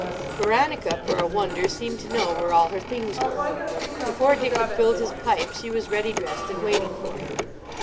Veronica for a wonder seemed to know where all her things were. Before Dick had filled his pipe she was ready dressed and waiting for him.